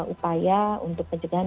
upaya untuk pencerahan